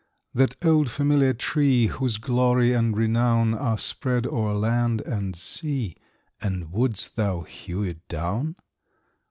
That old familiar tree, Whose glory and renown Are spread o'er land and sea And wouldst thou hew it down?